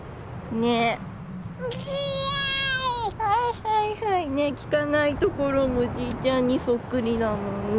ね聞かないところもじいちゃんにそっくりだもんね。